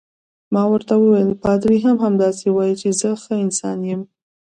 ما ورته وویل: پادري هم همداسې وایي چې زه ښه انسان یم.